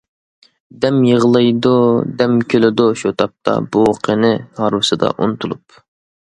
دەم يىغلايدۇ، دەم كۈلىدۇ شۇ تاپتا، بوۋىقىنى ھارۋىسىدا ئۇنتۇلۇپ.